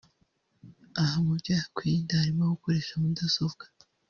Aha mu byo yakwirinda harimo gukoresha mudasobwa